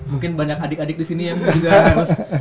mungkin banyak adik adik disini yang juga harus